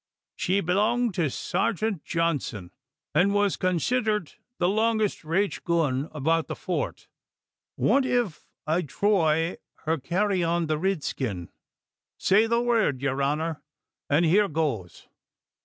She belonged to Sargent Johnson, an' was considhered the longest raich gun about the Fort. What iv I throy her carry on the ridskin? Say the word, yer honour, an' here goes!"